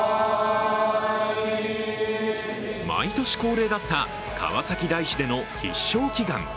毎年恒例だった川崎大師での必勝祈願。